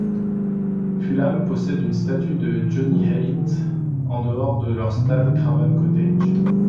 Fulham possède une statue de Johny Haynes en dehors de leur stade Craven Cottage.